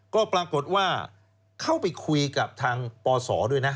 ก็ปรากฏว่าเข้าไปคุยกับทางปศด้วยนะ